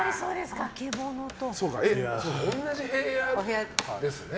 そうか、同じ部屋ですね。